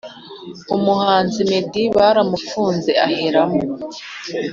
Umuhanzi meddy baramufunze aheramo